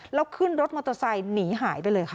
แล้วขึ้นรถมอเตอร์ไซค์หนีหายไปเลยค่ะ